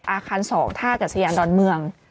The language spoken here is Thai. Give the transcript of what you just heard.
อาคาร๒ท่ากัศยานดอนเมือง